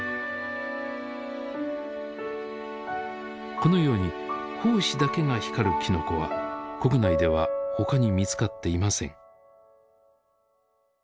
このように胞子だけが光るきのこは国内では他に見つかっていません。